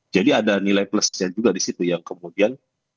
jadi ada nilai plusnya juga disitu yang kemudian